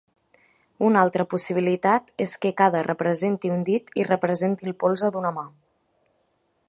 Una altra possibilitat és que cada representi un dit i representi el polze d'una mà.